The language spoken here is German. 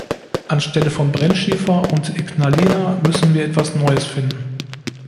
Anstelle von Brennschiefer und Ignalina müssen wir etwas Neues finden.